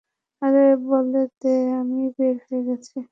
আরে বলে দে আমি বের হয়ে গেছি।